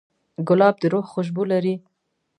ګلاب د روح خوشبو لري.